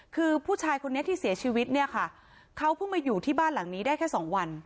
คือผู้ชายคนนี้ที่เสียชีวิตเนี่ยค่ะเขาเพิ่งมาอยู่ที่บ้านหลังนี้ได้แค่สองวัน